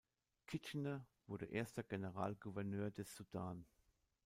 Kitchener wurde erster Generalgouverneur des Sudan.